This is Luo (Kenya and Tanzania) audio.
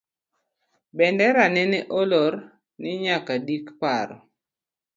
Bendera nene olor, ni nyaka dik paro